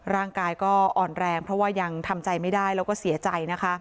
ร่างกายก็อ่อนแรงเพราะว่ายังทำใจไม่ได้แล้วก็เสียใจนะคะ